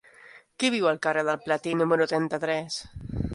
Qui viu al carrer del Platí número trenta-tres?